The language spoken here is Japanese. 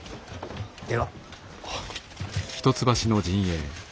では。